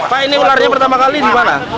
pak ini ularnya pertama kali di mana